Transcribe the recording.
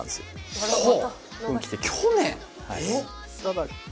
あなるほど。